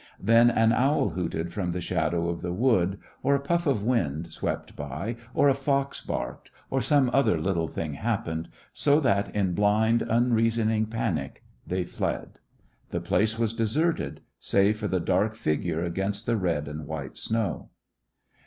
Then an owl hooted from the shadow of the wood, or a puff of wind swept by, or a fox barked, or some other little thing happened, so that in blind unreasoning panic they fled. The place was deserted, save for the dark figure against the red and white snow.